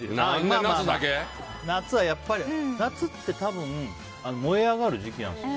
まあ、夏はやっぱり夏って燃え上がる時期なんですよ。